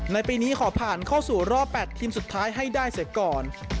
ในปีนี้ขอผ่านเข้าสู่รอบ๘ทีมสุดท้ายให้ได้เสร็จก่อน